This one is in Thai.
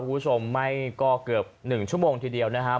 คุณผู้ชมไม่ก็เกือบ๑ชั่วโมงทีเดียวนะครับ